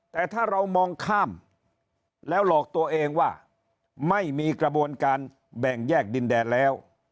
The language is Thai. แต่ถ้าเรามองข้ามแล้วหลอกตัวเองว่าไม่มีกระบวนการแบ่งแยกดินแดนแล้ว